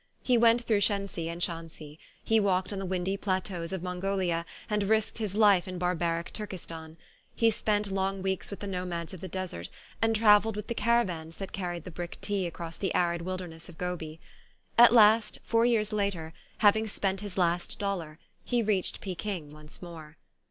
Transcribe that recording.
He went through Shensi and Shansi; he walked on the windy plateaus of Mongolia and risked his life in barbaric Turkes tan ; he spent long weeks with the nomads of the desert and travelled with the caravans that car ried the brick tea across the arid wilderness of Gobi. At last, four years later, having spent his last dollar he reached Peking once more.